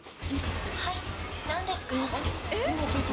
はい、なんですか。